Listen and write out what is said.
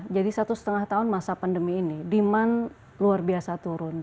jadi satu setengah tahun masa pandemi ini demand luar biasa turun